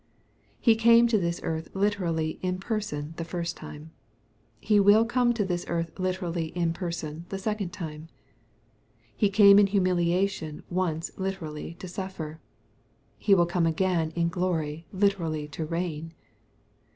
He came to this earth literally in person the first time. He will come to this earth literally in person tl ^ second time. He came in humiliation once literally to suffer. He will come again in glory literally to reign.